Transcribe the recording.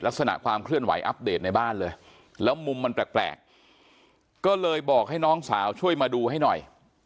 ความเคลื่อนไหวอัปเดตในบ้านเลยแล้วมุมมันแปลกก็เลยบอกให้น้องสาวช่วยมาดูให้หน่อย